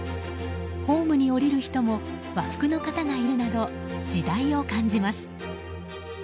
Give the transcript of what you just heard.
ホームに降りる人も和服の方がいるなど時代を感じます。